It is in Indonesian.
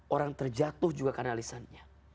orang terjatuh juga karena lisannya